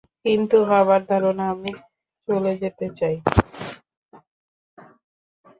কিন্তু বাবার ধারণা, আমি চলে যেতে চাই।